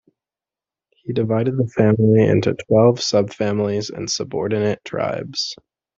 He divided the family into twelve subfamilies and subordinate tribes.